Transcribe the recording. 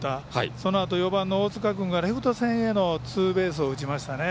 そのあと、４番の大塚君がレフト線へのツーベースを打ちましたね。